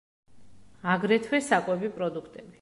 აგრეთვე საკვები პროდუქტები.